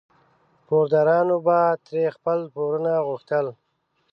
پوردارانو به ترې خپل پورونه غوښتل.